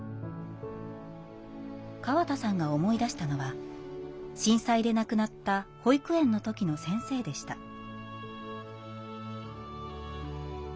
河田さんが思い出したのは震災で亡くなった保育園の時の先生でした。